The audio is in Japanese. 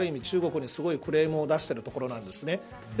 中国にすごいクレームを出しているところなんです。